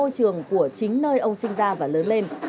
môi trường của chính nơi ông sinh ra và lớn lên